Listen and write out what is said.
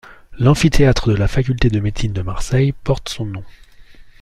L'amphithéâtre de la faculté de médecine de Marseille porte son nom.